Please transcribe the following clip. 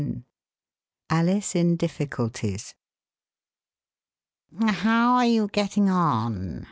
33 ^ ALICE IN DIFFICULTIES "How are you getting on